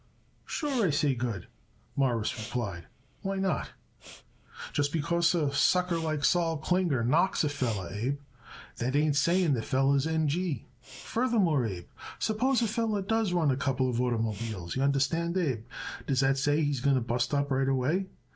"Sure, I say, 'good'," Morris replied. "Why not? Just because a sucker like Sol Klinger knocks a feller, Abe, that ain't saying the feller's N. G. Furthermore, Abe, suppose a feller does run a couple of oitermobiles, y'understand, Abe, does that say he's going to bust up right away?